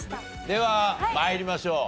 では参りましょう。